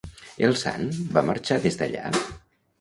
El sant va marxar des d'allà?